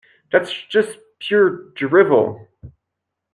That's just pure drivel!